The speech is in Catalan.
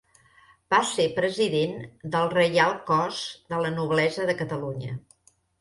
Va ser president del Reial Cos de la Noblesa de Catalunya.